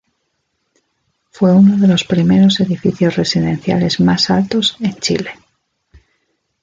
Fue uno de los primeros edificios residenciales más altos en Chile.